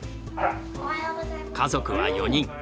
家族は４人。